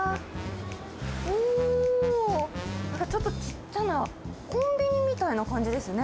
うーん、なんかちっちゃなコンビニみたいな感じですね。